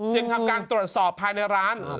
ทำการตรวจสอบภายในร้าน